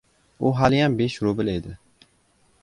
U haliyam besh rubl edi.